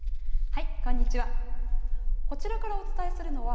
はい、こんにちは。